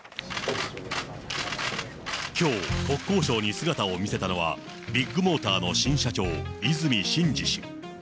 きょう、国交省に姿を見せたのは、ビッグモーターの新社長、和泉伸二氏。